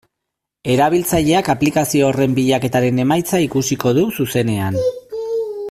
Erabiltzaileak aplikazio horren bilaketaren emaitza ikusiko du zuzenean.